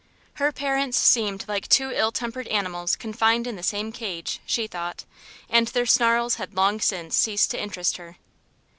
Her parents seemed like two ill tempered animals confined in the same cage, she thought, and their snarls had long since ceased to interest her.